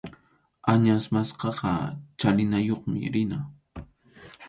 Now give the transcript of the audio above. Añas maskaqqa chalinayuqmi rina.